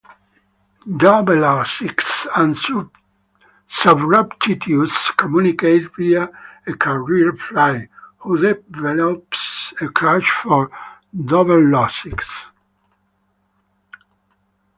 Dubbelosix and Surreptitius communicate via a carrier fly, who develops a crush for Dubbelosix.